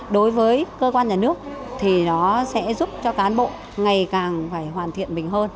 đối với cơ quan nhà nước nó sẽ giúp cho cán bộ ngày càng hoàn thiện mình hơn